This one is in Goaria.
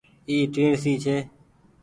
اي ٽيڻسي ڇي۔